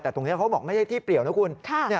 แต่ตรงนี้เขาบอกไม่ใช่ที่เปรียวนะคุณ